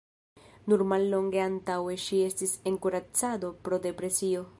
Nur mallonge antaŭe ŝi estis en kuracado pro depresio.